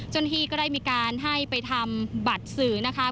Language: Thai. ที่ก็ได้มีการให้ไปทำบัตรสื่อนะคะ